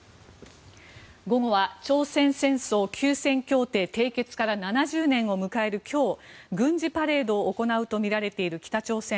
午後は朝鮮戦争休戦協定締結から７０年を迎える今日軍事パレードを行うとみられている北朝鮮。